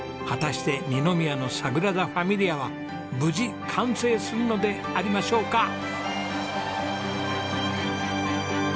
果たして二宮のサグラダ・ファミリアは無事完成するのでありましょうか？